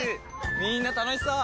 みんな楽しそう！